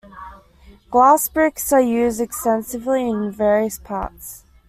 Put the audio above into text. Glass bricks are used extensively in various parts.